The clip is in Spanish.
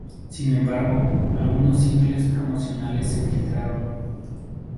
Sin embargo, algunos singles promocionales se filtraron.